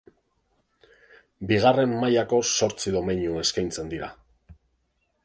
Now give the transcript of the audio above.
Bigarren mailako zortzi domeinu eskaintzen dira.